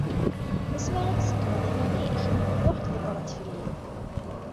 Asmi ara tṣeggmeḍ iman-ik, ṛuḥ-d ḍebber fell-i.